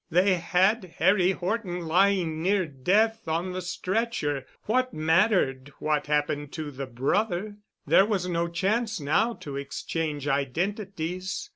They had Harry Horton lying near death on the stretcher. What mattered what happened to the brother? There was no chance now to exchange identities.